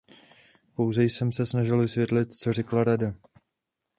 Pouze jsem se snažil vysvětlit, co řekla Rada.